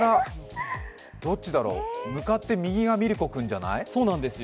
どっちだろう、向かって右側がミルコ君じゃない？